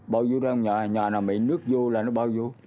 bao vô đó nhà nào bị nước vô là nó bao vô